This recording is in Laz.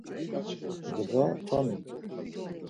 Ndğa tanun.